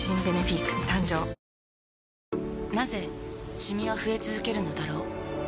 なぜシミは増え続けるのだろう